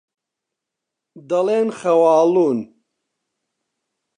دەڵێن خەواڵوون.